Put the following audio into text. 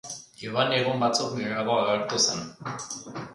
Giovanni egun batzuk geroago agertu zen.